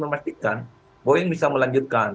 memastikan boeing bisa melanjutkan